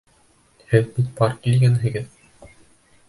Һеҙ бит пар килгәнһегеҙ!